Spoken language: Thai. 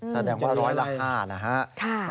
แสดงว่า๑๐๐ละ๕นะครับ